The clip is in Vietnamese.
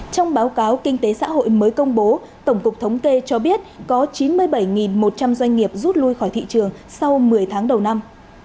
trong báo cáo kinh tế xã hội mới công bố tổng cục thống kê cho biết có chín mươi bảy một trăm linh doanh nghiệp rút lui khỏi thị trường sau một mươi tháng đầu năm